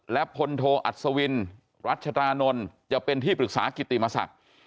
และพลโทอัศวินรัชตรานนท์จะเป็นที่ปรึกษากิติมศักดิ์